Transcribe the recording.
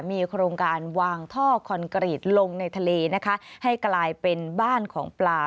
มีโครงการวางท่อคอนกรีตลงในทะเลนะคะให้กลายเป็นบ้านของปลา